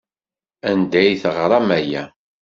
Anda ay teɣram aya?